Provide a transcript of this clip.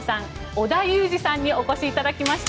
織田裕二さんにお越しいただきました。